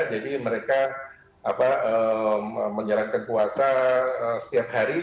jadi mereka menjalankan puasa setiap hari